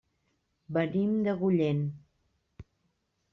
Venim d'Agullent.